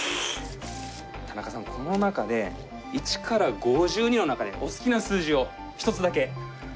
田中さんこの中で１から５２の中でお好きな数字を１つだけ言って頂いていいですか？